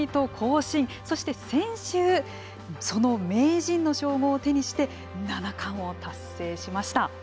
そして、先週その名人の称号を手にして七冠を達成しました。